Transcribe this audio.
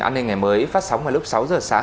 an ninh ngày mới phát sóng vào lúc sáu giờ sáng